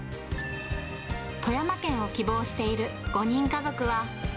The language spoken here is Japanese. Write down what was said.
富山県を希望している５人家族は。